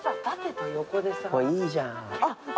いいじゃん。